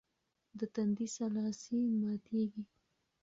د تندي سلاسې ماتېږي.